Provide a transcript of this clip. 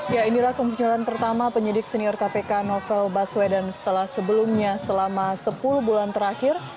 ya inilah kemunculan pertama penyidik senior kpk novel baswedan setelah sebelumnya selama sepuluh bulan terakhir